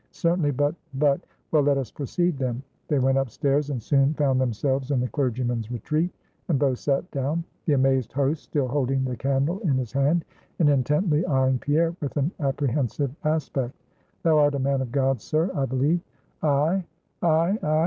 "Certainly, but but " "Well, let us proceed, then." They went up stairs, and soon found themselves in the clergyman's retreat, and both sat down; the amazed host still holding the candle in his hand, and intently eying Pierre, with an apprehensive aspect. "Thou art a man of God, sir, I believe." "I? I? I?